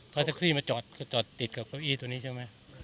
พอแท็กซี่มาจอดก็จอดติดกับเก้าอี้ตัวนี้ใช่ไหม